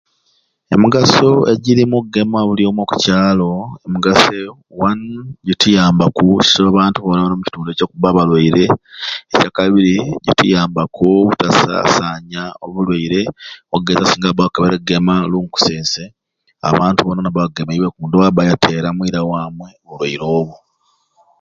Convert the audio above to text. Emigaso egyiri omu kugema buli omwei ali oku kyalo emigaso one kituyambaku iswe abantu bona bona omu kitundu ekyo okuba abalwaire ekyakabiri kituyambaku obutasanya obulwaire ogeze singa baba bakobere ogema olunkusense abantu bona bona ba bagemeibwe ndoowa aba yateera mwira mamwei bulwaire obo